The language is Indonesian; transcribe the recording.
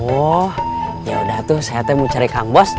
oh yaudah tuh saya tuh mau cari kang bos